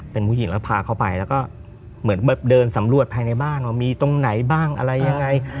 เป็นผู้หญิงแล้วพาเข้าไปแล้วก็เหมือนแบบเดินสำรวจภายในบ้านว่ามีตรงไหนบ้างอะไรยังไง